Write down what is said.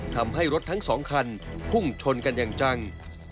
ทำให้รถทั้ง๒คันพุ่งชนกันอย่างจัง